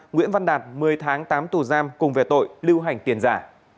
nguyễn văn đạt một mươi tháng tám tù giam cùng về tội lưu hành tiền giả